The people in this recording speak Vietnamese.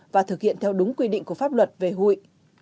và thực hiện theo đúng quy định của pháp luật về hụi